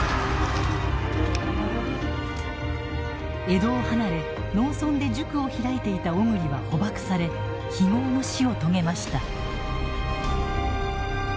江戸を離れ農村で塾を開いていた小栗は捕縛され非業の死を遂げました。